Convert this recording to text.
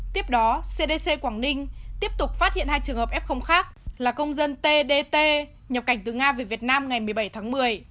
tiếp đó cdc quảng ninh tiếp tục phát hiện hai trường hợp f khác là công dân td nhập cảnh từ nga về việt nam ngày một mươi bảy tháng một mươi